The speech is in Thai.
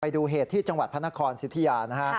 ดูเหตุที่จังหวัดพระนครสิทธิยานะฮะ